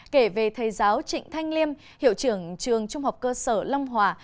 kể về thầy giáo trịnh thanh liêm hiệu trưởng trường trung học cơ sở long hòa